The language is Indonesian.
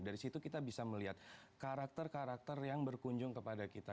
dari situ kita bisa melihat karakter karakter yang berkunjung kepada kita